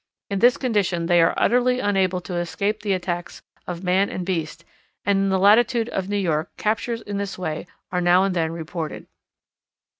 In this condition they are utterly unable to escape the attacks of man and beast, and in the latitude of New York captures in this way are now and then reported.